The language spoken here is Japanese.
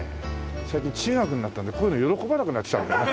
最近中学になったんでこういうの喜ばなくなってきたんだよね。